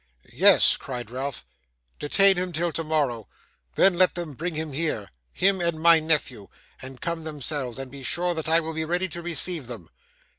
'Yes,' cried Ralph, 'detain him till tomorrow; then let them bring him here him and my nephew and come themselves, and be sure that I will be ready to receive them.